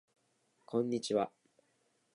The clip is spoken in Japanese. こんにち